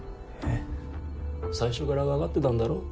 最初から分かってたんだろ？